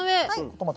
トマト。